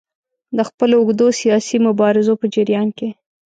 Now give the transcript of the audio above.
د خپلو اوږدو سیاسي مبارزو په جریان کې.